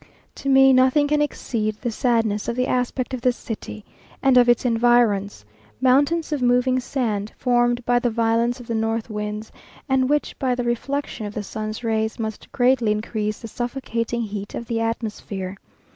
To me nothing can exceed the sadness of the aspect of this city and of its environs mountains of moving sand, formed by the violence of the north winds, and which, by the reflection of the sun's rays, must greatly increase the suffocating heat of the atmosphere.